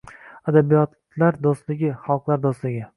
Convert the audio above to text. Adabiyotlar doʻstligi – xalqlar doʻstligi